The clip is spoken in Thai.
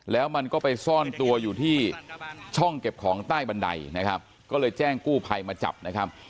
แล้วมันก็ไปซ่อนตัวอยู่ที่ช่องเก็บของใต้บันไดนะครับก็เลยแจ้งกู้ภัยมาจับนะครับ